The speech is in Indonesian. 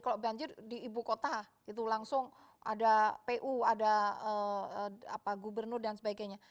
kalau banjir di ibu kota itu langsung ada pu ada gubernur dan sebagainya